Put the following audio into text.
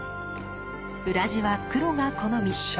裏地は黒が好み。